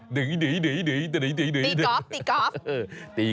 หนี